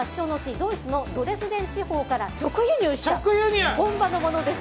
ドイツのドレスデン地方から直輸入した本場のものです。